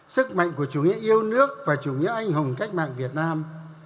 sức mạnh của chủ nghĩa yêu nước và chủ nghĩa anh hùng cách mạng việt nam